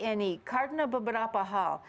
tni karena beberapa hal